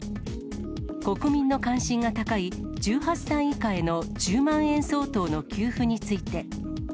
国民の関心が高い１８歳以下への１０万円相当の給付について。